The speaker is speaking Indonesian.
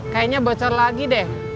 kayaknya bocor lagi deh